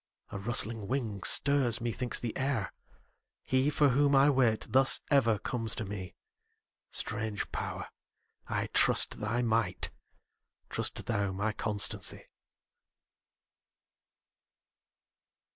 a rustling wing stirs, methinks, the air: He for whom I wait, thus ever comes to me; Strange Power! I trust thy might; trust thou my constancy.